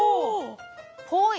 ぽい！